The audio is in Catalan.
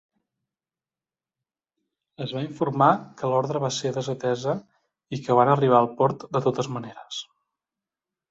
Es va informar que l'ordre va ser desatesa i que van arribar al port de totes maneres.